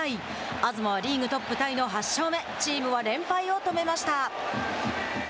東は、リーグトップタイの８勝目チームは連敗を止めました。